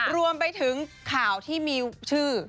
รวมไปถึงข่าวที่มีชื่อ